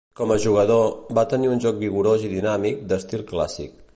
Com a jugador, va tenir un joc vigorós i dinàmic d'estil clàssic.